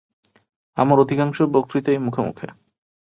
আমার অধিকাংশ বক্তৃতাই মুখে মুখে।